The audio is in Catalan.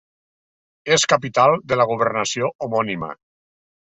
És capital de la governació homònima.